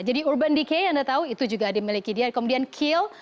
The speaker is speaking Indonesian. jadi urban decay anda tahu itu juga ada miliki dia kemudian kiehl